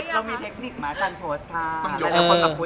เรามีเทคนิคค์มาคันโพสต์ใช่มั้ย